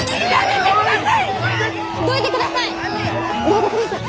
どいてください！